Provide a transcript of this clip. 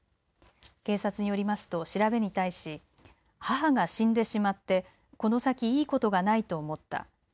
警察によりますと、調べに対し母が死んでしまってこの先いいことがないと思った。